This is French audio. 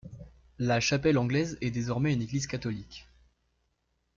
La chapelle anglaise est désormais une église catholique.